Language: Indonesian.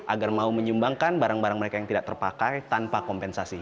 agar mau menyumbangkan barang barang mereka yang tidak terpakai tanpa kompensasi